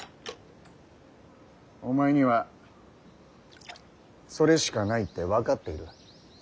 お前にはそれしかないって分かっている。